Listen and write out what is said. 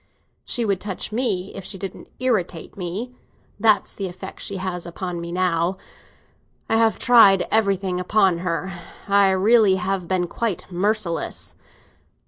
"She would touch me if she didn't irritate me. That's the effect she has upon me now. I have tried everything upon her; I really have been quite merciless.